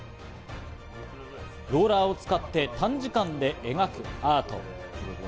ローラーを使って短時間で描くアート。